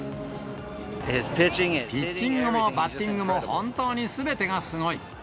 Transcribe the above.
ピッチングもバッティングも本当にすべてがすごい。